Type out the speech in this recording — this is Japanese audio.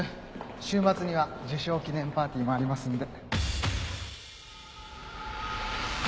週末には受賞記念パーティーもありますんで。